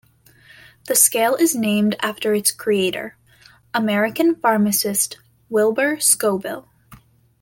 The scale is named after its creator, American pharmacist Wilbur Scoville.